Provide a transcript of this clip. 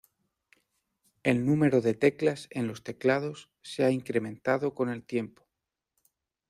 El número de teclas en los teclados se ha incrementado con el tiempo.